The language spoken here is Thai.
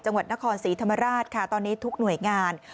จังหวัดนครศรีธรรมราชค่ะตอนนี้ทุกหน่วยงาน